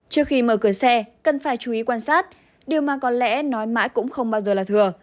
trước khi mở cửa xe cần phải chú ý quan sát điều mà có lẽ nói mãi cũng không bao giờ là thừa